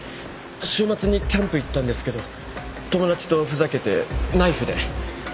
週末にキャンプ行ったんですけど友達とふざけてナイフで。